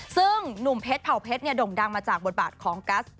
ซึ่งหนุ่มเพชรเผ่าเพชรด่งดังมาจากบทบาทของกัส